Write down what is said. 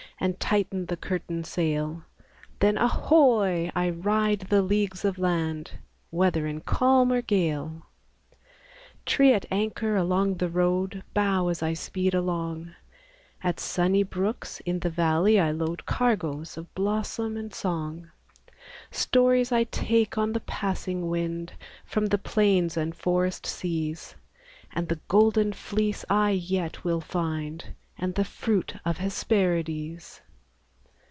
And tighten the curtain sail, Then, ahoy! I ride the leagues of land. Whether in calm or gale. 38 Preparedness Trees at anchor along the road Bow as I speed along; At sunny brooks in the valley I load Cargoes of blossom and song; Stories I take on the passing wind From the plains and forest seas, And the Golden Fleece I yet will find, And the fruit of Hesperides.